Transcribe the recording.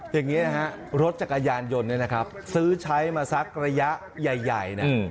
อย่างนี้นะฮะรถจักรยานยนต์เนี่ยนะครับซื้อใช้มาสักระยะใหญ่นะ